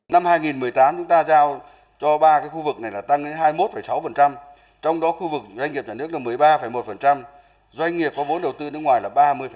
năm hai nghìn một mươi tám chúng ta giao cho ba khu vực này là tăng đến hai mươi một sáu trong đó khu vực doanh nghiệp nhà nước là một mươi ba một doanh nghiệp có vốn đầu tư nước ngoài là ba mươi